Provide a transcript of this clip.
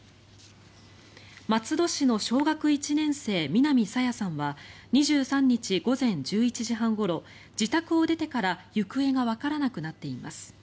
松戸市の小学１年生南朝芽さんは２３日午前１１時半ごろ自宅を出てから行方がわからなくなっています。